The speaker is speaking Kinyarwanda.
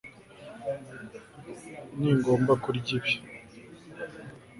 Ningomba kurya ibi